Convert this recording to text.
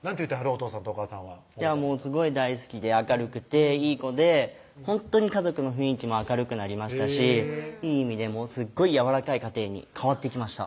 お父さんとお母さんはすごい大好きで明るくていい子でほんとに家族の雰囲気も明るくなりましたしいい意味ですっごいやわらかい家庭に変わってきました